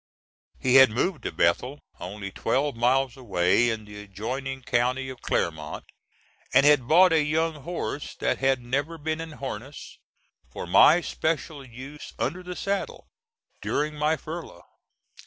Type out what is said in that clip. He had moved to Bethel, only twelve miles away, in the adjoining county of Clermont, and had bought a young horse that had never been in harness, for my special use under the saddle during my furlough.